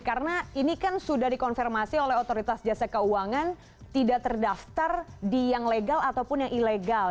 karena ini kan sudah dikonfirmasi oleh otoritas jasa keuangan tidak terdaftar di yang legal ataupun yang ilegal